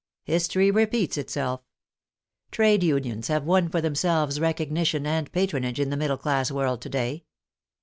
History repeats itself. Trade unions have won for themselves recognition and patronage in the middle class world to day.